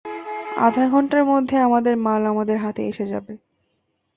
আধা ঘণ্টার মধ্যে আমাদের মাল আমাদের হাতে এসে যাবে।